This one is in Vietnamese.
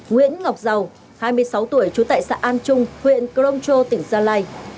nguyễn ngọc giàu hai mươi sáu tuổi chú tại xã an trung huyện croncho tỉnh gia lai